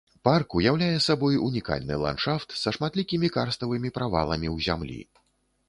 Парк уяўляе сабой унікальны ландшафт са шматлікімі карставымі праваламі ў зямлі.